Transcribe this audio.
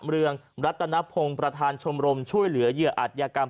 เรืองรัตนพงศ์ประธานชมรมช่วยเหลือเหยื่ออัตยกรรม